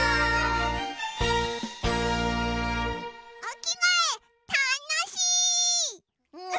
おきがえたのしい！